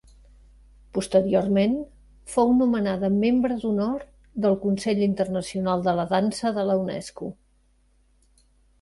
Posteriorment, fou nomenada membre d'Honor del Consell Internacional de la Dansa de la Unesco.